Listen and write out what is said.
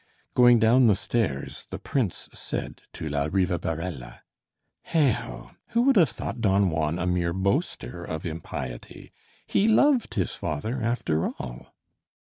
Going down the stairs the prince said to la Rivabarella: "Heigho! who would have thought Don Juan a mere boaster of impiety? He loved his father, after all!"